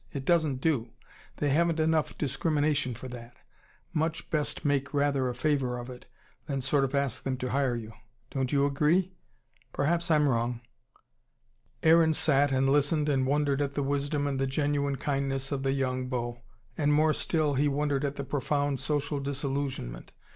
It doesn't do. They haven't enough discrimination for that. Much best make rather a favour of it, than sort of ask them to hire you. Don't you agree? Perhaps I'm wrong." Aaron sat and listened and wondered at the wisdom and the genuine kindness of the young beau. And more still, he wondered at the profound social disillusionment.